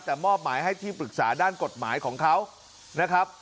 แต่มอบหมายให้ที่ปรึกษาด้านกฎหมายของเขานะครับ